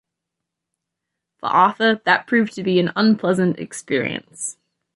For Arthur, that proved to be an unpleasant experience.